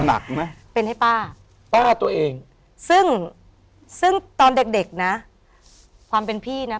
หนักไหมเป็นให้ป้าป้าตัวเองซึ่งซึ่งตอนเด็กเด็กนะความเป็นพี่นะ